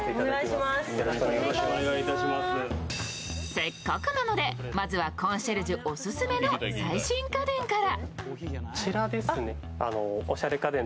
せっかくなので、まずはコンシェルジュオススメの最新家電から。